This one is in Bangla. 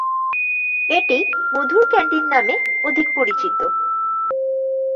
এটি '"মধুর ক্যান্টিন"' নামে অধিক পরিচিত।